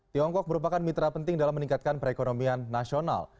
tiongkok merupakan mitra penting dalam meningkatkan perekonomian nasional